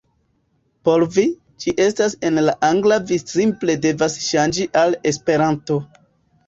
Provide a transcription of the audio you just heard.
Por vi, ĝi estas en la angla vi simple devas ŝanĝi al Esperanto